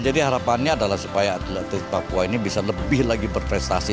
jadi harapannya adalah supaya atlet atlet papua ini bisa lebih lagi berprestasi